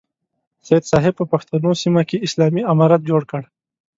سید صاحب په پښتنو سیمه کې اسلامي امارت جوړ کړ.